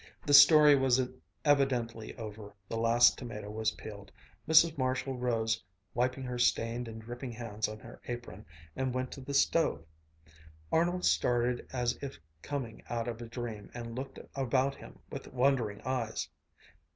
The story was evidently over, the last tomato was peeled. Mrs. Marshall rose, wiping her stained and dripping hands on her apron, and went to the stove. Arnold started as if coming out of a dream and looked about him with wondering eyes.